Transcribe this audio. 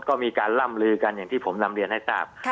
ก็มีการล่ำลือกันอย่างที่ผมนำเรียนให้ทราบ